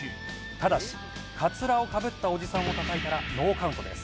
ただしカツラをかぶったおじさんを叩いたらノーカウントです。